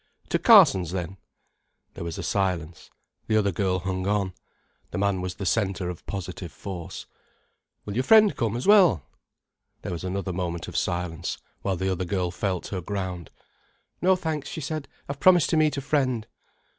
"To Carson's, then?" There was a silence. The other girl hung on. The man was the centre of positive force. "Will your friend come as well?" There was another moment of silence, while the other girl felt her ground. "No, thanks," she said. "I've promised to meet a friend."